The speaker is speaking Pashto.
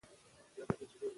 د پښتو هر توری ارزښت لري.